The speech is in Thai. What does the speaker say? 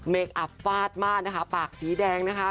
คอับฟาดมากนะคะปากสีแดงนะคะ